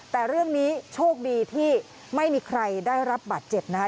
แต่เรื่องนี้โชคดีที่ไม่มีใครได้รับบาดเจ็บนะคะ